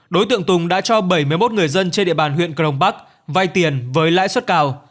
đối tượng tùng đã cho bảy mươi một người dân trên địa bàn huyện crong bắc vay tiền với lãi suất cao